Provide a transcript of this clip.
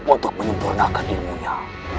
untuk menyempurnakan ilmunya